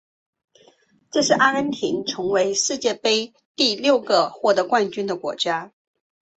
这是阿根廷成为世界杯史上的第六个获得冠军的国家。